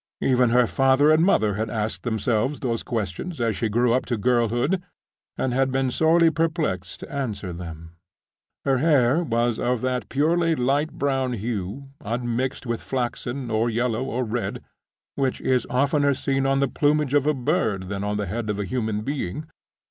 Even her father and mother had asked themselves those questions, as she grew up to girlhood, and had been sorely perplexed to answer them. Her hair was of that purely light brown hue, unmixed with flaxen, or yellow, or red—which is oftener seen on the plumage of a bird than on the head of a human being.